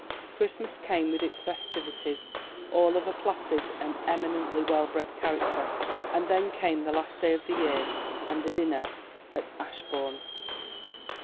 Christmas came with its festivities, all of a placid and eminently well bred character, and then came the last day of the year and the dinner at Ashbourne.